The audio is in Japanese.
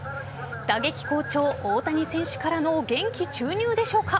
打撃好調・大谷選手からの元気注入でしょうか。